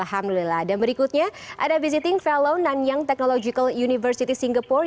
alhamdulillah dan berikutnya ada visiting fellow nanyang technological university singapore